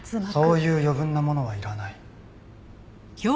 そういう余分なものはいらない。